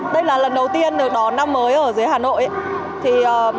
đây là lần đầu tiên được đón năm mới ở dưới hà nội